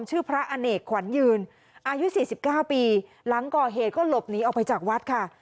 ชื่อพระอเนกขวัญยืนอายุ๔๙ปีหลังก่อเหตุก็หลบหนีออกไปจากวัดค่ะ